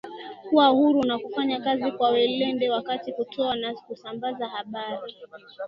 kuwa huru na kufanya kazi kwa uweledi katika kutoa na kusambaza habari